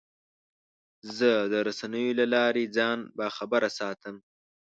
زه د رسنیو له لارې ځان باخبره ساتم.